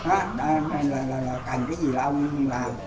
ông này là cành cái gì là ông nông ghe làm